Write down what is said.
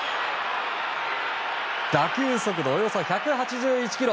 打球速度およそ１８１キロ。